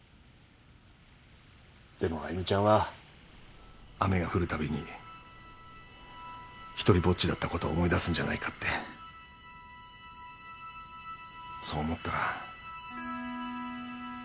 でも愛魅ちゃんは雨が降るたびに独りぼっちだったことを思い出すんじゃないかってそう思ったら。